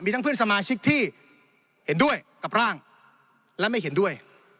ทั้งเพื่อนสมาชิกที่เห็นด้วยกับร่างและไม่เห็นด้วย